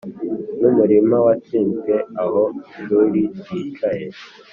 numurima watsinzwe aho ishuri ryicaye